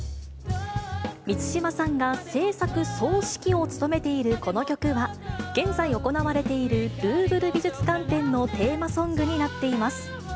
満島さんが製作総指揮を務めているこの曲は、現在行われているルーヴル美術館展のテーマソングになっています。